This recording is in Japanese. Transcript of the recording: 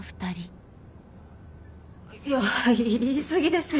いや言い過ぎですよ。